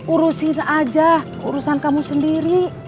urusin aja urusan kamu sendiri